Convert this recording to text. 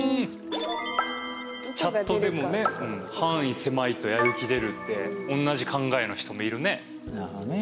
チャットでもね「範囲狭いとやる気出る」って同じ考えの人もいるね。